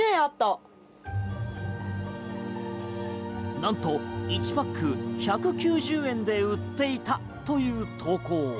なんと１パック１９０円で売っていたという投稿。